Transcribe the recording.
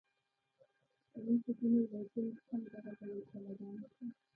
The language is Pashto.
زموږ په ځینو ولایتونو کې هم دغه ډول کلاګانې شته.